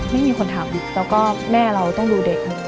คือที่อยู่ในไร้พ่อไม่มีคนทำแต่แม่ต้องดูเด็ก